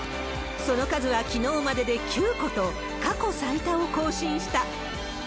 その数はきのうまでで９個と、過去最多を更新した。